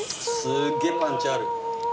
すげえパンチある。